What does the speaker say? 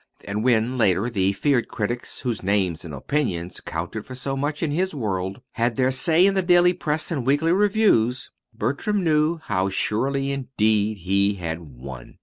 And when, later, the feared critics, whose names and opinions counted for so much in his world, had their say in the daily press and weekly reviews, Bertram knew how surely indeed he had won.